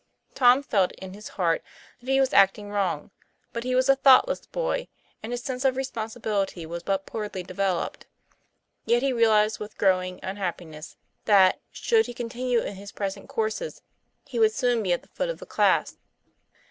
Tom felt in his heart that he was acting wrong; but he was a thoughtless boy, and his sense of responsibility was but poorly developed. Yet he realized with growing unhappiness that, should he continue in his present courses, he would soon be at the foot of the class.